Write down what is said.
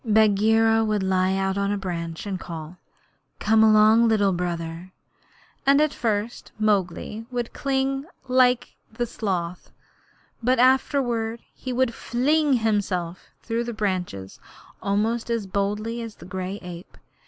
Bagheera would lie out on a branch and call, 'Come along, Little Brother,' and at first Mowgli would cling like the sloth, but afterward he would fling himself through the branches almost as boldly as the gray ape.